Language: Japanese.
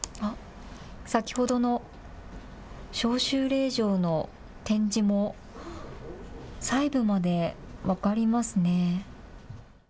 先ほどの召集令状の展示も細部まで分かりますね。